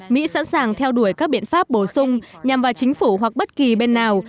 mỹ sẵn sàng theo đuổi các biện pháp bổ sung nhằm vào chính phủ hoặc bất kỳ bên nào